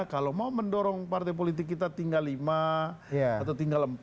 kalau mau mendorong partai politik kita tinggal lima atau tinggal empat